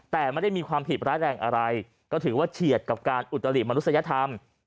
แต่ไม่ได้มีความผิดร้ายแรงอะไรก็ถือว่าเฉียดกับการอุตริมนุษยธรรม